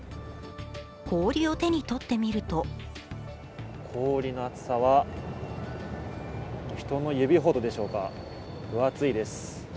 氷を手に取ってみると氷の厚さは人の指ほどでしょうか、分厚いです